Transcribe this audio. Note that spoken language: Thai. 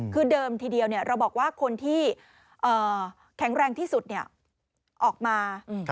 คือเดิมทีเดียวเราบอกว่าคนที่แข็งแรงที่สุดออกมา